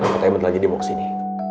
katanya bentar lagi dia mau kesini